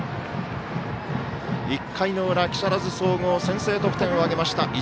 １回の裏、木更津総合先制得点を挙げました。